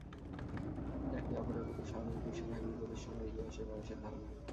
একে অপরের প্রতি সহানুভূতিশীল হয়ে বিপদের সময় এগিয়ে আসাই মানুষের ধর্ম।